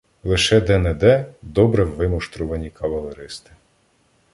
Лише де-не-де — добре вимуштрувані кавалеристи.